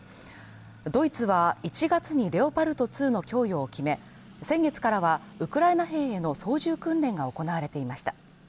ドイツは１月にレオパルト２の供与を決め、先月からは、ウクライナ兵の操縦訓練が行われていました。